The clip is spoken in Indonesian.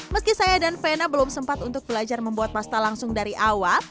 meski saya dan vena belum sempat untuk belajar membuat pasta langsung dari awal